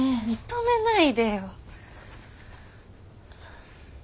認めないでよ。